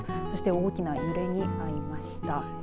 そして大きな揺れに遭いました。